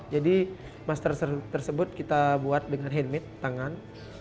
jadi master tersebut kita buat dengan hand made tangan